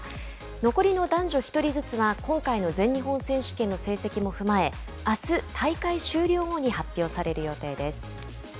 残りの男女１人ずつは今回の全日本選手権の成績も踏まえあす、大会終了後に発表される予定です。